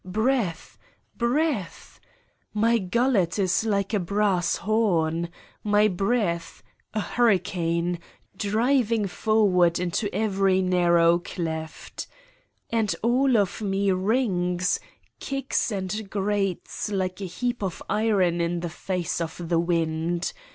Breath! Breath! My gullet is like a brass horn. My breath a hurricane, driving forward into every narrow cleft. And all of me rings, kicks and grates like a heap of iron in the face of the wind.